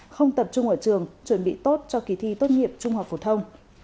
không tập trung ở trường chuẩn bị tốt cho kỳ thi tốt nghiệp trung học phổ thông